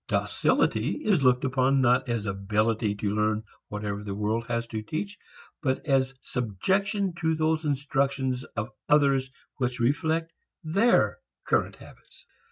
Docility is looked upon not as ability to learn whatever the world has to teach, but as subjection to those instructions of others which reflect their current habits.